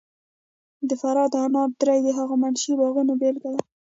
د فراه د انار درې د هخامنشي باغونو بېلګه ده